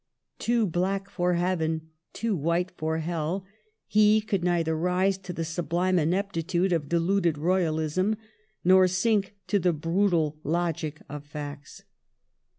" Too black for heaven, too white for hell," he could neither rise to the sub lime ineptitude of deluded royalism nor sink to the brutal logic of facts.